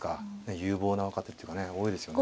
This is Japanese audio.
有望な若手っていうかね多いですよね。